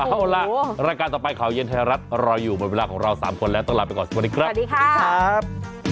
เอาล่ะรายการต่อไปข่าวเย็นไทยรัฐรออยู่หมดเวลาของเรา๓คนแล้วต้องลาไปก่อนสวัสดีครับสวัสดีค่ะ